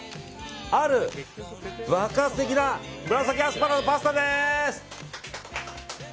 ある爆発的な紫アスパラのパスタです！